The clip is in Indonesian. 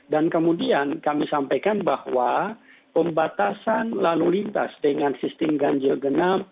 dan kemudian kami sampaikan bahwa pembatasan lalu lintas dengan sistem ganjel genap